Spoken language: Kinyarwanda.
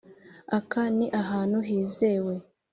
aka ni ahantu hizewe?\